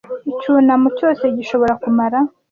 icyunamo cyose gishobora kumara